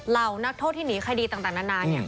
เหล่านักโทษที่หนีคดีต่างนานาเนี่ย